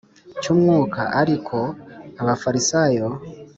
Cy umwuka ariko abafarisayo